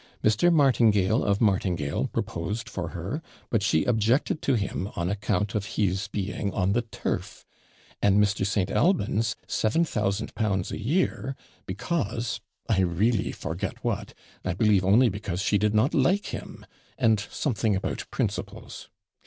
Mr. Martingale, of Martingale, proposed for her, but she objected to him on account of he's being on the turf; and Mr. St. Albans' L7000 a year because I REELLY forget what I believe only because she did not like him and something about principles.